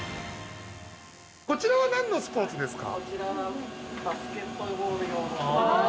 こちらは何のスポーツですか？